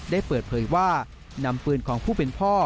ได้เปิดเผยว่านำปืนของผู้เป็นพ่อ